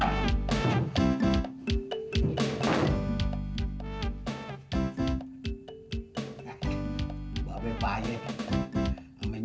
abang masih mata keranjang aja sih